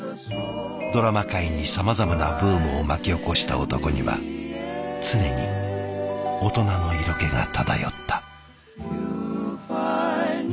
ドラマ界にさまざまなブームを巻き起こした男には常に大人の色気が漂った。